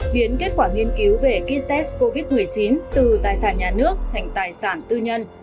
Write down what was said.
biến kết quả nghiên cứu về kites covid một mươi chín từ tài sản nhà nước thành tài sản tư nhân